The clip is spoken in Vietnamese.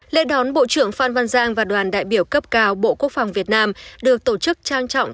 lễ đón bộ trưởng phan văn giang và đoàn đại biểu cấp cao bộ quốc phòng việt nam được tổ chức trang trọng